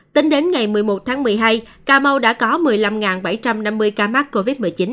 tính đến ngày một mươi một tháng một mươi hai cà mau đã có một mươi năm bảy trăm năm mươi ca mắc covid một mươi chín